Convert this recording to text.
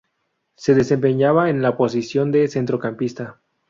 Se desempeñaba en la posición de centrocampista.